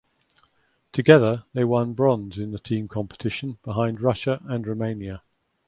Together they won bronze in the team competition behind Russia and Romania.